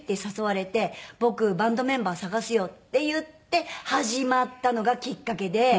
「僕バンドメンバー探すよ」って言って始まったのがきっかけで。